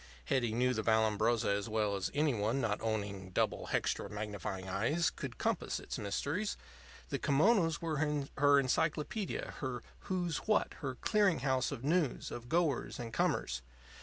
Hetty knew the Vallambrosa as well as any one not owning "double hextra magnifying eyes" could compass its mysteries. The kimonos were her encyclopedia, her "Who's What?" her clearinghouse of news, of goers and comers.